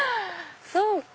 そうか。